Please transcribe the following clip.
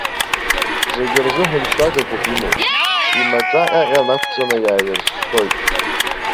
Зегьы рзыҳәан шәагакоуп имоу, имаҿа ҟьаҟьа нақәҵаны иааирссоит.